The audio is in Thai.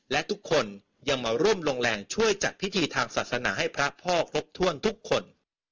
และทุกคนยังมาร่วมลงแรงช่วยจัดพิธีทางศาสนาให้พระพ่อครบถ้วนทุกคน